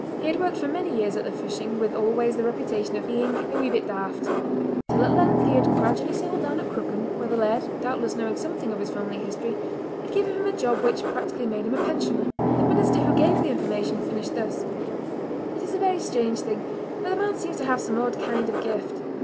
He had worked for many years at the fishing with always the reputation of being "a wee bit daft," till at length he had gradually settled down at Crooken, where the laird, doubtless knowing something of his family history, had given him a job which practically made him a pensioner. The minister who gave the information finished thus:— "It is a very strange thing, but the man seems to have some odd kind of gift.